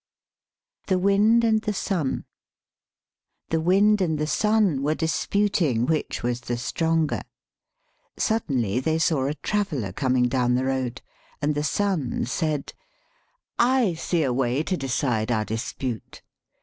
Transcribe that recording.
THE WIND AND THE SUN The wind and the sun were disputing which was the stronger. Suddenly they saw a traveller 108 THE FABLE coming down the road, and the sun said: "I see a way to decide our dispute.